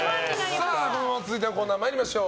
続いてのコーナー参りましょう。